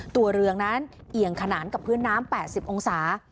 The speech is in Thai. ตัวเรืองนั้นเอี่ยงขนานกับพื้นน้ำ๘๐องศา